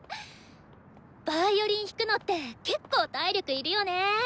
ヴァイオリン弾くのってけっこう体力いるよね。